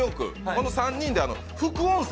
この３人で副音声